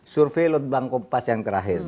survei lutbang kompas yang terakhir